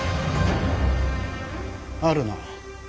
あるな。